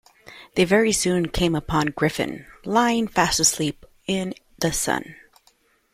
They very soon came upon a Gryphon, lying fast asleep in the sun.